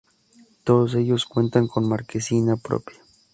Todos ellos cuentan con marquesina propia.